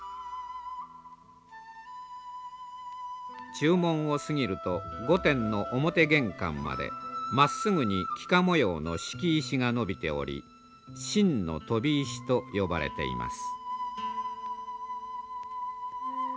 中門を過ぎると御殿の表玄関までまっすぐに幾何模様の敷石がのびており「真の飛石」と呼ばれています。